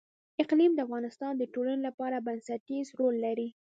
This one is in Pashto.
اقلیم د افغانستان د ټولنې لپاره بنسټيز رول لري.